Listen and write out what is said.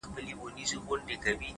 د نوم له سيـتاره دى لـوېـدلى؛